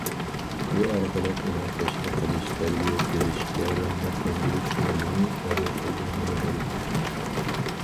بۇ ئارقىلىق ئۇنىڭ تەشۋىق قىلىش، تەربىيە بېرىش ۋە رىغبەتلەندۈرۈش رولىنى جارى قىلدۇرغىلى بولىدۇ.